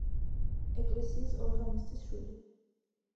ეკლესიის ორღანისტის შვილი.